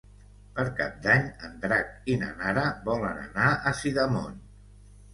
Per Cap d'Any en Drac i na Nara volen anar a Sidamon.